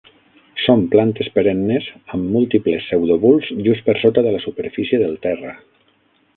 Són plantes perennes amb múltiples "pseudobulbs" just per sota de la superfície del terra.